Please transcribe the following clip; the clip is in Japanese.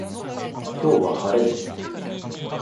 今日は晴れです